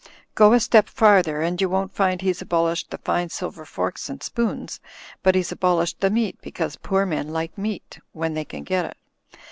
Go a step farther, and you won't find he's abolished the fine silver forks and spoons, but he's abolished the meat, because poor men like meat — when they can get it.